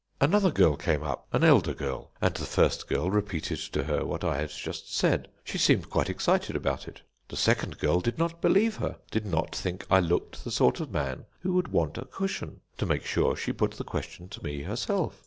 "Another girl came up, an elder girl; and the first girl repeated to her what I had just said: she seemed quite excited about it. The second girl did not believe her did not think I looked the sort of man who would want a cushion. To make sure, she put the question to me herself.